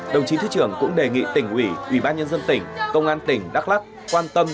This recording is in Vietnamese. đồng chí thứ trưởng cũng đề nghị tỉnh ủy ủy ban nhân dân tỉnh công an tỉnh đắk lắc quan tâm